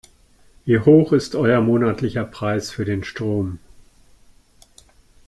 Wie hoch ist euer monatlicher Preis für den Strom?